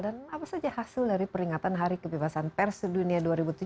dan apa saja hasil dari peringatan hari kebebasan pers di dunia dua ribu tujuh belas